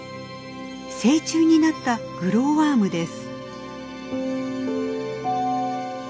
成虫になったグローワームです。